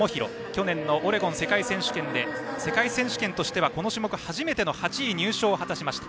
去年のオレゴン世界選手権で世界選手権としてはこの種目初めての８位入賞を果たしました。